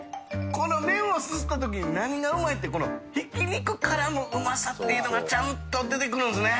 海量佑すすった時に何がうまいってこの劼蕕うまさっていうのがちゃんと出てくるんですね。